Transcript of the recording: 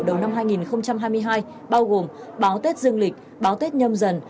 đầu năm hai nghìn hai mươi hai bao gồm báo tết dương lịch báo tết nhâm dần